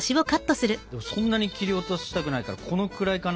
そんなに切り落としたくないからこのくらいかな。